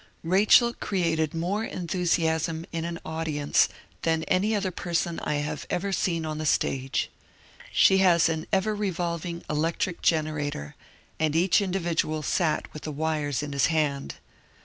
Rachel created more enthusiasm in an audience than any other person I have ever seen on the stage. She was an ever revolving electric generator — and each individual sat with the wires in his hand.